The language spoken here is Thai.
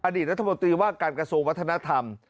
อดีตรัฐบทรีย์ว่าการกระโสวัฒนธรรม